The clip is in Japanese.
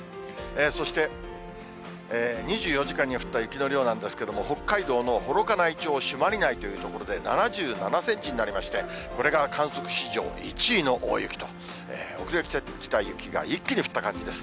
そして、２４時間に降った雪の量なんですけれども、北海道の幌加内町朱鞠内という所で７７センチになりまして、これが観測史上１位の大雪と、遅れてきた雪が一気に降った感じです。